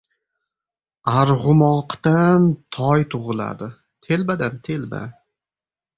• Arg‘umoqdan toy tug‘iladi, telbadan ― telba.